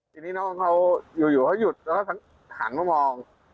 ทีนี้น้องเขาอยู่เขาหยุดแล้วก็หันมามอง